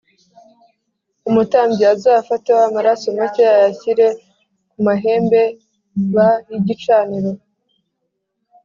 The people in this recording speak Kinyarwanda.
Umutambyi azafateho amaraso make ayashyire ku mahembe b y igicaniro